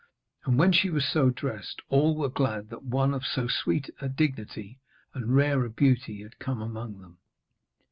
And when she was so dressed, all were glad that one of so sweet a dignity and rare a beauty had come among them.